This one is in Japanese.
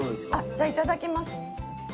じゃあいただきますね。